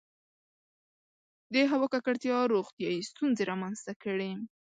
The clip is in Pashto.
• د هوا ککړتیا روغتیایي ستونزې رامنځته کړې.